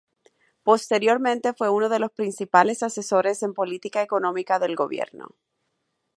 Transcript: Posteriormente fue uno de los principales asesores en política económica del gobierno.